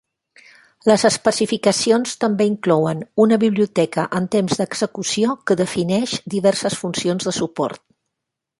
Les especificacions també inclouen una biblioteca en temps d'execució que defineix diverses funcions de suport.